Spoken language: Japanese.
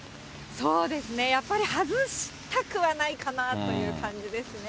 そうですね、やっぱり、外したくはないかなという感じですね。